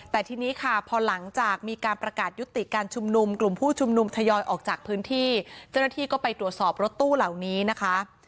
แต่ทีนี้ค่ะพอหลังจากมีการประกาศยุติการชุมนุมกลุ่มผู้ชุมนุมทยอยออกจากพื้นที่เจ้าหน้าที่ก็ไปตรวจสอบรถตู้เหล่านี้นะคะ